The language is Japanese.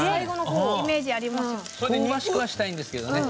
香ばしくはしたいんですけどね。